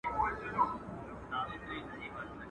چي مشر ئې ساوڼ وي لښکر ئې گوزاوڼ وي.